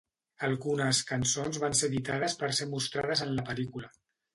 Algunes cançons van ser editades per ser mostrades en la pel·lícula.